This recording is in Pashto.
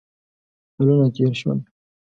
کلونه تېر شول.